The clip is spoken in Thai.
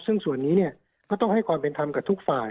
ซึ่งส่วนนี้ก็ต้องให้ความเป็นธรรมกับทุกฝ่าย